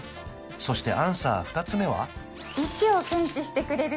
そしてアンサー２つ目は？